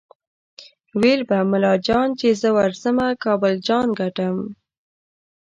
ویل به ملا جان چې زه ورځمه کابل جان ګټم